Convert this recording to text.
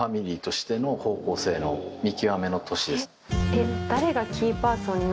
えっ。